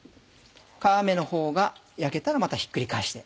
皮目のほうが焼けたらまたひっくり返して。